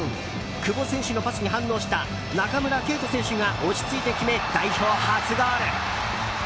久保選手のパスに反応した中村敬斗選手が落ち着いて決め代表初ゴール。